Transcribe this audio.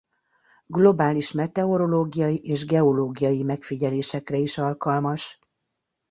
Globális meteorológiai és geológiai megfigyelésekre is alkalmas.